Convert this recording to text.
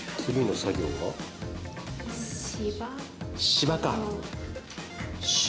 芝か。